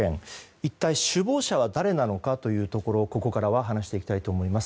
一体、首謀者は誰なのかというところをここから話していきたいと思います。